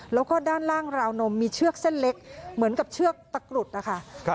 แล้วก็ด้านล่างราวนมมีเชือกเส้นเล็กเหมือนกับเชือกตะกรุดนะคะ